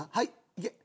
いけ！